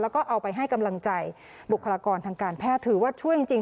แล้วก็เอาไปให้กำลังใจบุคลากรทางการแพทย์ถือว่าช่วยจริง